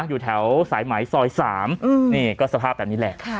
อยู่แถวสายไหมซอย๓นี่ก็สภาพแบบนี้แหละ